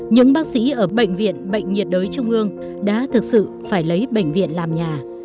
những bác sĩ ở bệnh viện bệnh nhiệt đới trung ương đã thực sự phải lấy bệnh viện làm nhà